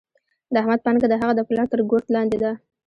د احمد پانګه د هغه د پلار تر ګورت لاندې ده.